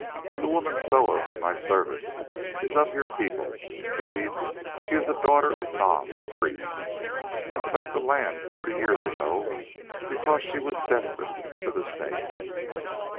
"The woman Soa, my servant, is of your people; indeed, she is a daughter to Nam the priest, and fled the land forty years ago because she was destined to the Snake."